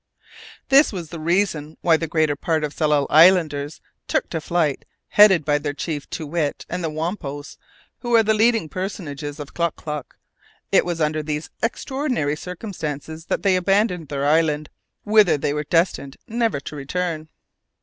This was the reason why the greater part of the Tsalal islanders took to flight, headed by their chief, Too Wit, and the Wampos, who are the leading personages of Klock Klock. It was under these extraordinary circumstances that they abandoned their island, whither they were destined never to return.